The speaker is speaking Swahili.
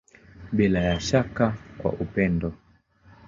Bila ya shaka kwa upendo.